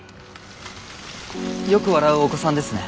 よく笑うお子さんですね。